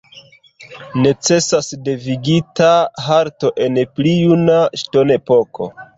Necesas devigita halto en pli juna ŝtonepoko.